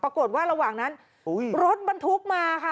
ปรากฏว่าระหว่างนั้นรถบรรทุกมาค่ะ